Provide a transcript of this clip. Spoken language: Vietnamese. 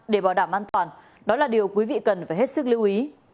để bảo đảm an toàn đó là điều quý vị cần phải hết sức lưu ý